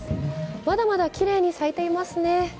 まだまだきれいに咲いていますね。